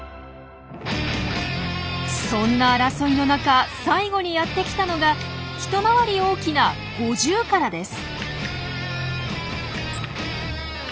そんな争いの中最後にやってきたのが一回り大きなゴジュウカラです。